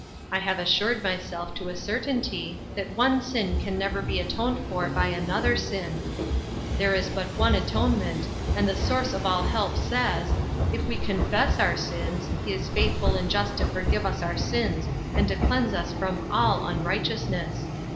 I have assured myself to a certainty that one sin can never be atoned for by another sin; there is but one atonement; and the Source of all help says, 'If we confess our sins, he is faithful and just to forgive us our sins; and to cleanse us from all unrighteousness.'